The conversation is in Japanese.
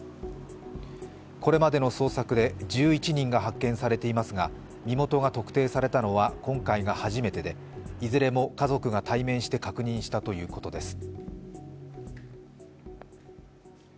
これまでの捜索で１１人が発見されていますが身元が特定されたのは今回が初めてでいずれも家族が対面して確認したということです。